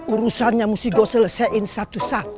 urusannya musti gue selesain satu satu